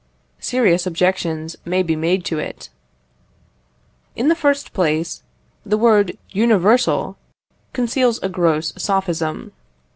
Serious objections may be made to it. In the first place, the word universal conceals a gross sophism.